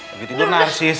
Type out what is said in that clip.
lagi tidur narsis